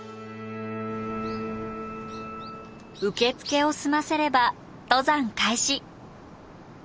受付を済ませれば登山開始！